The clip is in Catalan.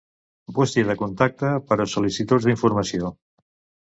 Bústia de contacte per a sol·licituds d'informació.